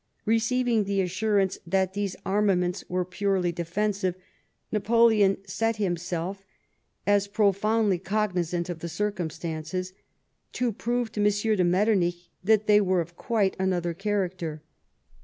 ' Receiving the assurance that these arma ments were purely defensive, Napoleon set himself, as profoundly cognisant of the circumstances, to prove to M. de Metternich that they were of quite another character.